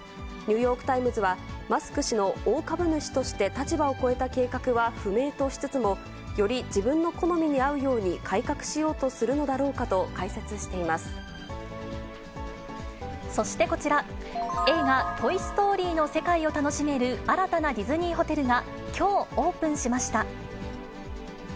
ニューヨークタイムズは、マスク氏の大株主として立場を超えた計画は不明としつつも、より自分の好みに合うように改革しようとするのだろうかと解説しそしてこちら、映画、トイ・ストーリーの世界を楽しめる新たなディズニーホテルが、きょうオープンしました。